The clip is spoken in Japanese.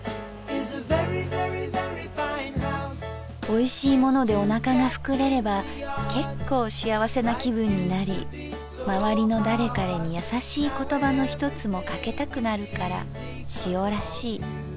「おいしいものでおなかがふくれれば結構しあわせな気分になりまわりの誰彼にやさしい言葉の一つもかけたくなるからしおらしい」。